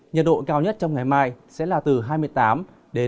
nhiệt độ cao nhất trong ngày mai sẽ là từ hai mươi tám độ